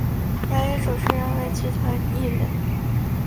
典礼主持人为剧团一人。